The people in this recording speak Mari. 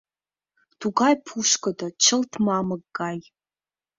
Тугай пушкыдо — чылт мамык гай.